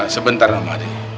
sebentar nara mahdi